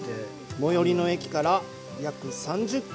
最寄りの駅から約３０キロ。